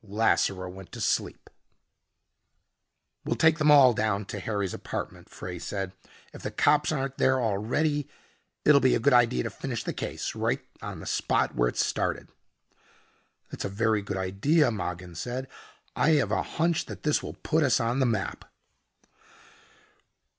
Lasseroe went to sleep. "We'll take them all down to Harry's apartment," Frey said. "If the cops aren't there already, it'll be a good idea to finish the case right on the spot where it started." "That's a very good idea," Mogin said. "I have a hunch that this will put us on the map."